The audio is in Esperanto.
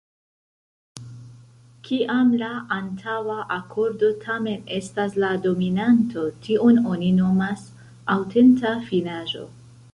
Kiam la antaŭa akordo tamen estas la dominanto, tion oni nomas aŭtenta finaĵo.